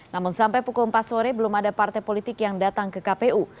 namun sampai pukul empat sore belum ada partai politik yang datang ke kpu